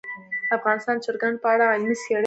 افغانستان د چرګانو په اړه علمي څېړنې لري.